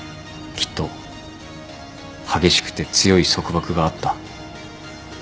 きっと激しくて強い束縛があった。